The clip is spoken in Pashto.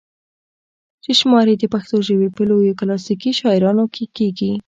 چې شمار ئې د پښتو ژبې پۀ لويو کلاسيکي شاعرانو کښې کيږي